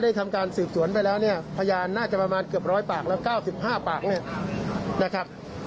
ทำการสืบสวนไปแล้วเนี่ยพยานน่าจะประมาณเกือบร้อยปากแล้ว๙๕ปากเนี่ยนะครับ